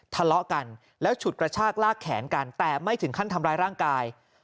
ทะเลาะกันแล้วฉุดกระชากลากแขนกันแต่ไม่ถึงขั้นทำร้ายร่างกาย